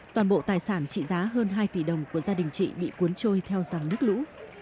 toàn bộ tài sản trị giá hơn hai tỷ đồng của gia đình chị bị cuốn trôi theo dòng nước lũ